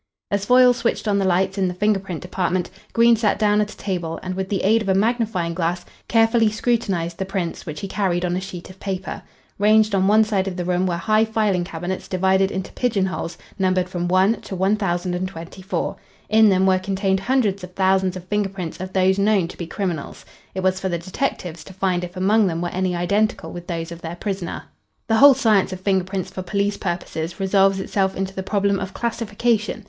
As Foyle switched on the lights in the finger print department, Green sat down at a table and with the aid of a magnifying glass carefully scrutinised the prints which he carried on a sheet of paper. Ranged on one side of the room were high filing cabinets divided into pigeon holes, numbered from 1 to 1024. In them were contained hundreds of thousands of finger prints of those known to be criminals. It was for the detectives to find if among them were any identical with those of their prisoner. The whole science of finger prints for police purposes resolves itself into the problem of classification.